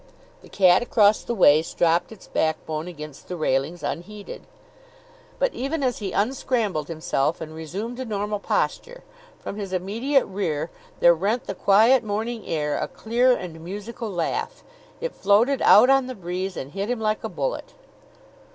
The cat across the way stropped its backbone against the railings unheeding. But, even as he unscrambled himself and resumed a normal posture, from his immediate rear there rent the quiet morning air a clear and musical laugh. It floated out on the breeze and hit him like a bullet.